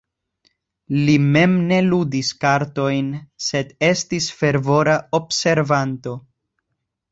Li mem ne ludis kartojn, sed estis fervora observanto.